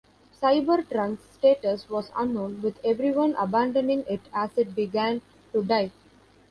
Cybertron's status was unknown, with everyone abandoning it as it began to die.